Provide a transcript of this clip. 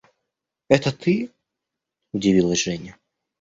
– Это ты? – удивилась Женя.